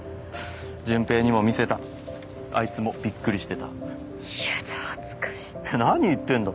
純平にも見せたあいつもびっくりしてたやだ恥ずかし何言ってんだ